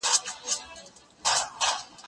زه اجازه لرم چي اوبه پاک کړم!.